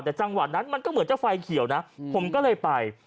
แต่จังหวะนั้นมันก็เหมือนจะไฟเขียวนะผมก็เลยไป